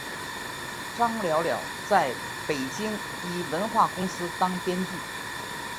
张寥寥在北京一文化公司当编剧。